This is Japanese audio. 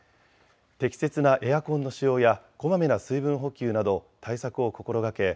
適切なエアコンの使用やこまめな水分補給など対策を心がけ